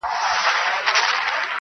چي تا نه مني داټوله ناپوهان دي-